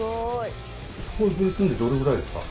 移り住んでどれぐらいですか？